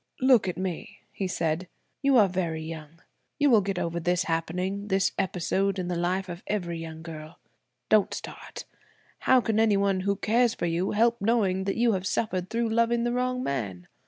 "Look at me," he said. "You are very young–you will get over this happening–this episode in the life of every young girl. Don't start. How can anyone who cares for you, help knowing that you have suffered through loving the wrong man?